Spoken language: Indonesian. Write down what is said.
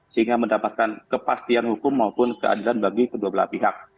sehingga mendapatkan kepastian hukum maupun keadilan bagi kedua belah pihak